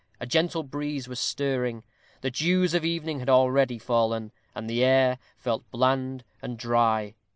A gentle breeze was stirring; the dews of evening had already fallen; and the air felt bland and dry.